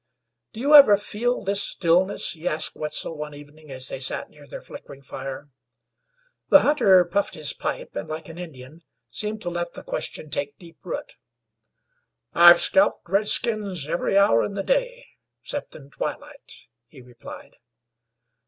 "Do you ever feel this stillness?" he asked Wetzel one evening, as they sat near their flickering fire. The hunter puffed his pipe, and, like an Indian, seemed to let the question take deep root. "I've scalped redskins every hour in the day, 'ceptin' twilight," he replied.